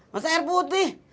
masa air putih